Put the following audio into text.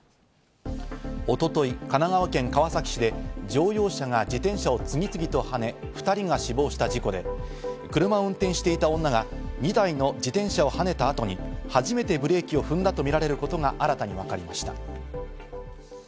一昨日、神奈川県川崎市で乗用車が自転車を次々とはね、２人が死亡した事故で車を運転していた女が２台の自転車ははねた後にはじめてブレーキを踏んだとみられることが新たに分かりました。